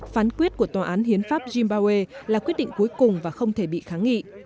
phán quyết của tòa án hiến pháp trimbawe là quyết định cuối cùng và không thể bị kháng nghị